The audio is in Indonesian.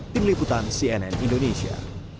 tim liputan cnn indonesia